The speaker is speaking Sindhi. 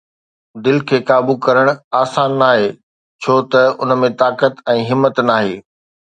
دل کي قابو ڪرڻ آسان ناهي ڇو ته ان ۾ طاقت ۽ همت ناهي